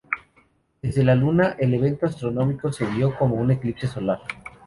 Desde la Luna, el evento astronómico se vio como un eclipse solar.